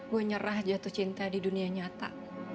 gue nyerah jatuh cinta di dunia nyata